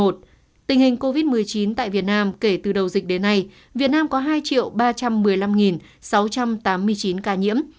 tình hình covid một mươi chín tại việt nam kể từ đầu dịch đến nay việt nam có hai ba trăm một mươi năm sáu trăm tám mươi chín ca nhiễm